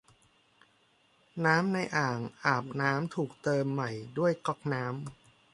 น้ำในอ่างอาบน้ำถูกเติมใหม่ด้วยก๊อกน้ำ